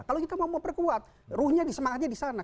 kalau kita mau perkuat ruhnya semangatnya di sana